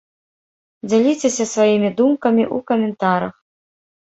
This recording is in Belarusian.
Дзяліцеся сваімі думкамі ў каментарах!